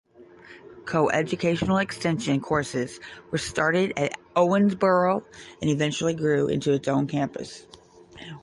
Coeducational extension courses were started at Owensboro and eventually grew into its own campus.